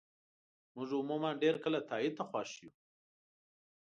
موږ عموماً ډېر کله تایید ته خوښ یو.